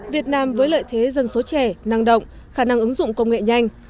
việt nam với lợi thế dân số trẻ năng động khả năng ứng dụng công nghệ nhanh